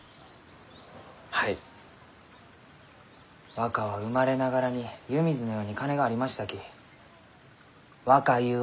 若は生まれながらに湯水のように金がありましたき若ゆう